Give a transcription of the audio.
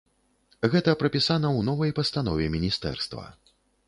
Гэта прапісана ў новай пастанове міністэрства.